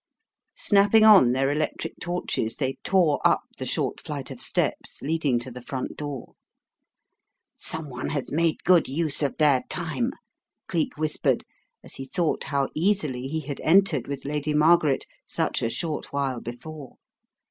Snapping on their electric torches they tore up the short flight of steps leading to the front door. "Someone has made good use of their time," Cleek whispered, as he thought how easily he had entered with Lady Margaret such a short while be fore.